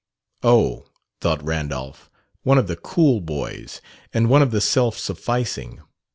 "Oh," thought Randolph, "one of the cool boys, and one of the self sufficing.